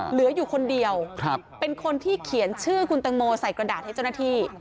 เหลืออยู่คนเดียวเป็นคนที่เขียนชื่อคุณตังโมใส่กระดาษให้เจ้าหน้าที่